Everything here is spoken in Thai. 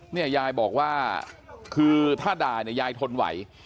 นี่ยายบอกว่าคือถ้าด่ายายทนไหว